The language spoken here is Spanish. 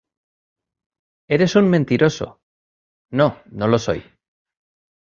¡ Eres un mentiroso! ¡ no, no lo soy!